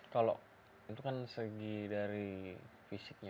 kalau itu kan segi dari fisiknya